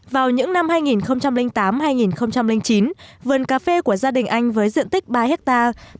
vào những năm hai nghìn tám hai nghìn chín vườn cà phê của gia đình anh với diện tích ba hectare